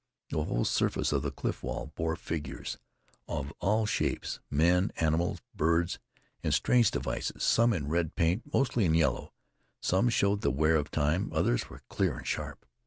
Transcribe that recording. The whole surface of the cliff wall bore figures of all shapes men, mammals, birds and strange devices, some in red paint, mostly in yellow. Some showed the wear of time; others were clear and sharp.